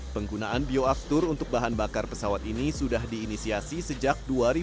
penggunaan bioaftur untuk bahan bakar pesawat ini sudah diinisiasi sejak dua ribu dua puluh